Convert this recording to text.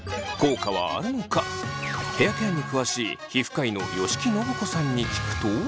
ヘアケアに詳しい皮膚科医の吉木伸子さんに聞くと？